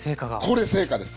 これ成果です。